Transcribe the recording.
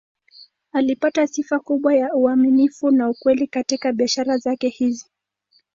Alipata sifa kubwa ya uaminifu na ukweli katika biashara zake hizi.